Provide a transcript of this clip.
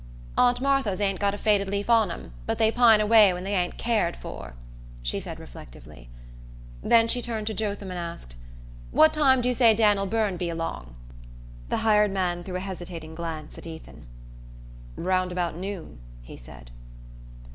"Aunt Martha's ain't got a faded leaf on 'em; but they pine away when they ain't cared for," she said reflectively. Then she turned to Jotham and asked: "What time'd you say Dan'l Byrne'd be along?" The hired man threw a hesitating glance at Ethan. "Round about noon," he said.